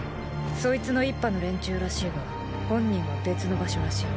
そいつの一派の連中らしいが本人は別の場所らしい。